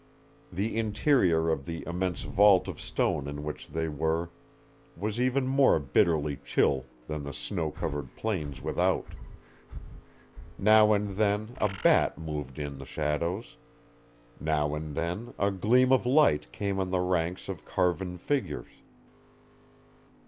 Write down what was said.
The interior of the immense vault of stone in which they were was even more bitterly chill than the snow covered plains without. Now and then a bat moved in the shadows now and then a gleam of light came on the ranks of carven figures.